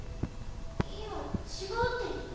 今違うって言った？